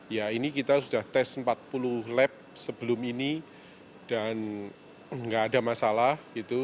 ya ini kita sudah tes empat puluh lap sebelum ini dan enggak ada masalah